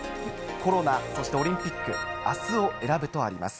コロナ、そしてオリンピック、あすを選ぶとあります。